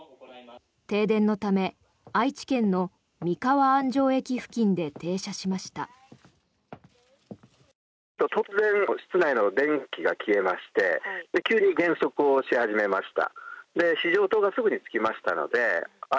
停電のため、愛知県の三河安城駅付近で停車しました。